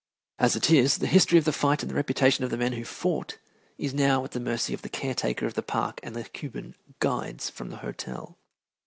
As it is, the history of the fight and the reputation of the men who fought is now at the mercy of the caretaker of the park and the Cuban "guides" from the hotel.